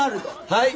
はい。